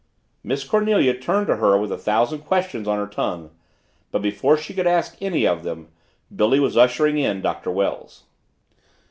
Miss Cornelia turned to her with a thousand questions on her tongue, but before she could ask any of them, Billy was ushering in Doctor Wells.